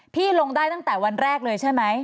ลงได้ตั้งแต่วันแรกเลยใช่ไหม